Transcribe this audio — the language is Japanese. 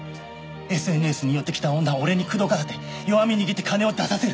ＳＮＳに寄ってきた女を俺に口説かせて弱み握って金を出させる。